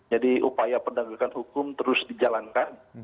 jadi upaya pendagangkan hukum terus dijalankan